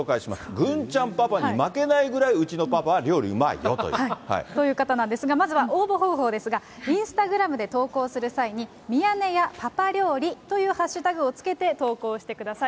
郡ちゃんパパに負けないぐらい、という方なんですが、まずは応募方法ですが、インスタグラムで投稿する際に、ミヤネ屋パパ料理というハッシュタグをつけて投稿してください。